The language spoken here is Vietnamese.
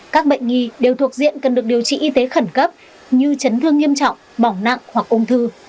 các bệnh nghi đều thuộc diện cần được điều trị y tế khẩn cấp như chấn thương nghiêm trọng bỏng nặng hoặc ung thư